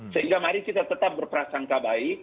sehingga mari kita tetap berprasangka baik